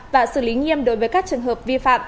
và xử lý nghiêm đối với các trường hợp vi phạm